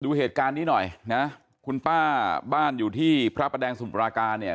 ดูเหตุการณ์นี้หน่อยนะคุณป้าบ้านอยู่ที่พระประแดงสมุทราการเนี่ย